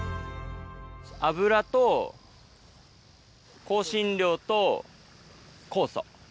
油と香辛料と酵素。